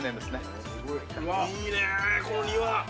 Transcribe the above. いいね、この庭。